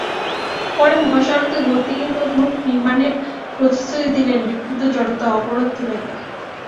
পরে মহাসড়কে গতিরোধক নির্মাণের প্রতিশ্রুতি দিলে বিক্ষুব্ধ জনতা অবরোধ তুলে নেয়।